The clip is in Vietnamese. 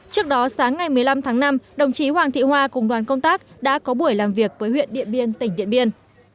trước đó sáng ngày một mươi năm tháng năm đồng chí hoàng thị hoa cùng đoàn công tác đã có buổi làm việc với huyện điện biên tỉnh điện biên